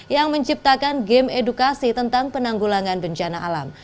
yang menciptakan game edukasi tentang penanggulangan bencana alam